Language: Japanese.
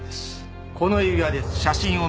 この指輪です。